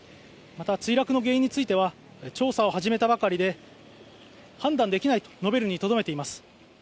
また、墜落の原因については調査を始めたばかりで判断できないと述べるにとどめています。